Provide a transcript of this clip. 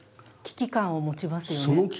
危機感を持ちますよね。